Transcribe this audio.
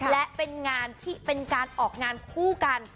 และเป็นงานที่เป็นการออกงานคู่กัน